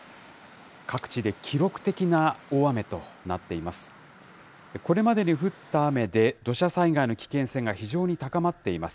各地で記録的な大雨となっています。